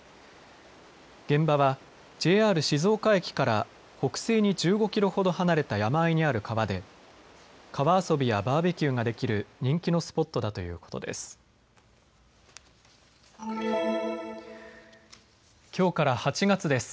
現場はＪＲ静岡駅から北西に１５キロほど離れた山あいにある川で川遊びやバーベキューができる人気のスポットだということです。